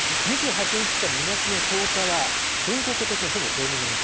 ２８日から２月の１０日は、全国的にほぼ平年並みと。